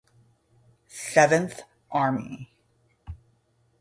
Seventh Army.